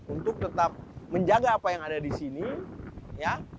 untuk tetap menjaga apa yang ada di sini ya